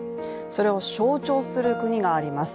それを象徴する国があります。